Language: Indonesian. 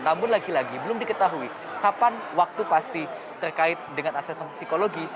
namun lagi lagi belum diketahui kapan waktu pasti terkait dengan asesmen psikologi